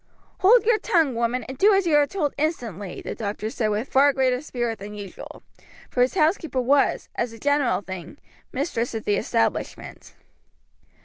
"Hold your tongue, woman, and do as you are told instantly," the doctor said with far greater spirit than usual, for his housekeeper was, as a general thing, mistress of the establishment.